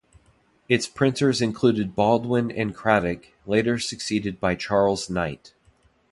Its printers included Baldwin and Cradock, later succeeded by Charles Knight.